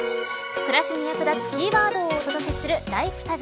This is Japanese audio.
暮らしに役立つキーワードをお届けするＬｉｆｅＴａｇ